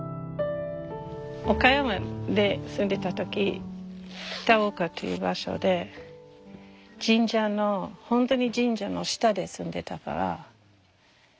岡山で住んでた時片岡っていう場所で本当に神社の下で住んでたから。